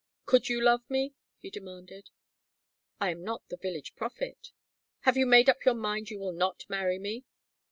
"Could you love me?" he demanded. "I am not the village prophet." "Have you made up your mind you will not marry me?"